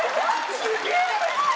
すげえ！